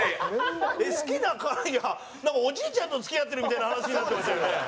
好きないやなんかおじいちゃんと付き合ってるみたいな話になってましたよね？